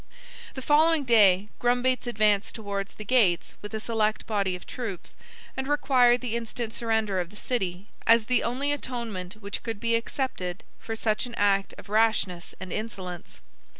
The following day Grumbates advanced towards the gates with a select body of troops, and required the instant surrender of the city, as the only atonement which could be accepted for such an act of rashness and insolence.